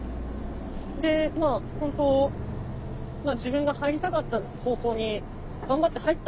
で本当自分が入りたかった高校に頑張って入ったんですけど。